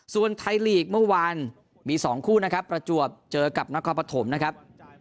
ส่วนไทยลีกเมื่อวานมี๒คู่นะครับประจวบเจอกับนครปฐมนะครับ